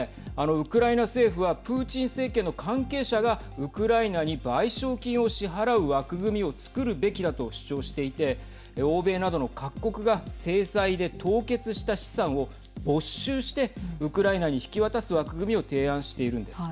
ウクライナ政府はプーチン政権の関係者がウクライナに賠償金を支払う枠組みをつくるべきだと主張していて欧米などの各国が制裁で凍結した資産を没収してウクライナに引き渡す枠組みを提案しているんです。